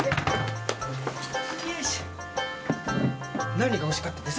何がおいしかったです？